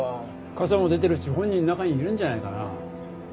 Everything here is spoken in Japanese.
傘も出てるし本人中にいるんじゃないかな。